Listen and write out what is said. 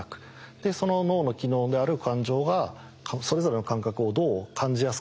でその脳の機能である感情がそれぞれの感覚をどう感じやすくするか。